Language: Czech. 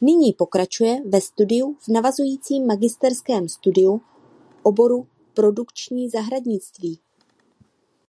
Nyní pokračuje ve studiu v navazujícím magisterském studiu oboru "Produkční zahradnictví".